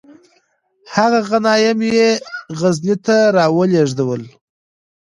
هغه غنایم یې غزني ته را ولیږدول.